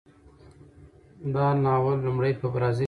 دا ناول لومړی په برازیل کې چاپ شو.